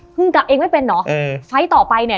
หนูกลับเองไม่เป็นเหรอฟาร์ทต่อไปเนี่ย